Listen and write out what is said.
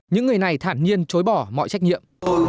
những người này thản nhiên chối bỏ mọi trách nhiệm